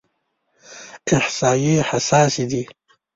احصایې حساسې دي.